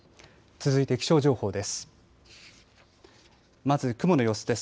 続いて気象情報です。